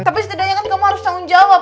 tapi setidaknya kan kamu harus tanggung jawab